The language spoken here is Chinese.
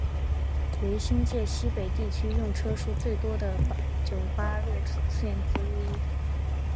为新界西北地区用车数量最多的九巴路线之一。